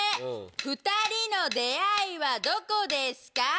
２人の出会いはどこですか？